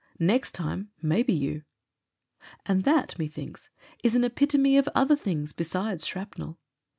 Next time — maybe you. And that, methinks, is an epitome of other things besides shrapnel.